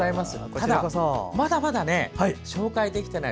ただ、まだまだ紹介できていない